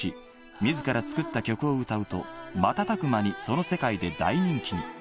自ら作った曲を歌うと瞬く間にその世界で大人気に